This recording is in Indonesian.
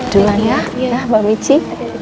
duluan ya mbak michi